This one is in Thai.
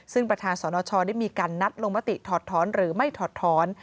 ซึ่งประธานสนชได้มีการนัดลงมติถอดถอนหรือไม่ถอดถอน